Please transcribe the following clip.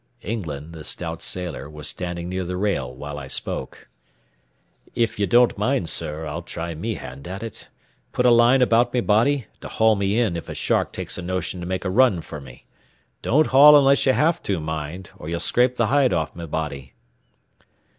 England, the stout sailor, was standing near the rail while I spoke. "If ye don't mind, sir, I'll try me hand at it. Put a line about me body to haul me in if a shark takes a notion to make a run fer me. Don't haul unless ye have to, mind, or ye'll scrape the hide off me body."